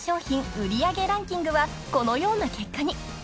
売り上げランキングはこのような結果に］